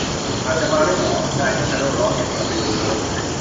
ฉันอาจจะมาด้วยเหรอ ? นายริคาร์โด้ร้องอย่างกระตือรือร้น